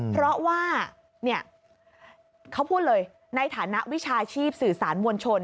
เพราะว่าเขาพูดเลยในฐานะวิชาชีพสื่อสารมวลชน